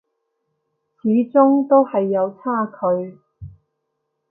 始終都係有差距